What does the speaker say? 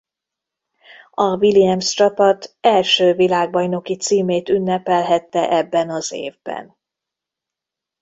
A Williams csapat első világbajnoki címét ünnepelhette ebben az évben.